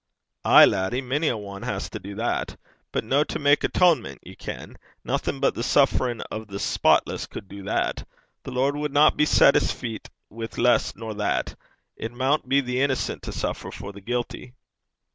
'Ay, laddie, mony a ane has to do that. But no to mak atonement, ye ken. Naething but the sufferin' o' the spotless cud du that. The Lord wadna be saitisfeet wi' less nor that. It maun be the innocent to suffer for the guilty.'